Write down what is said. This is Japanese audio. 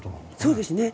そうですね。